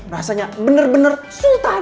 rasanya bener bener sultan